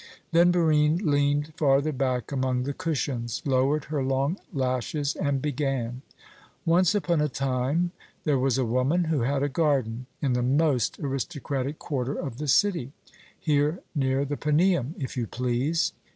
Then Barine leaned farther back among the cushions, lowered her long lashes, and began: "Once upon a time there was a woman who had a garden in the most aristocratic quarter of the city here near the Paneum, if you please.